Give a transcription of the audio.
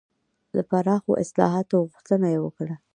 د پراخو اصلاحاتو غوښتنه یې وکړه.